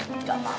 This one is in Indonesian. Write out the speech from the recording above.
gak apa apa pak